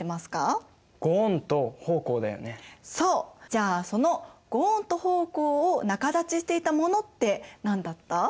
じゃあその御恩と奉公を仲立ちしていたものって何だった？